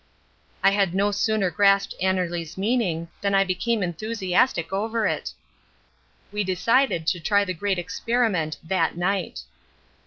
I had no sooner grasped Annerly's meaning than I became enthusiastic over it. We decided to try the great experiment that night.